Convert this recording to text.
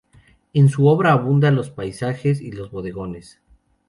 En su obra abundan los paisajes y los bodegones.